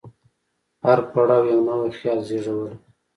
هر پړاو یو نوی خیال زېږولی.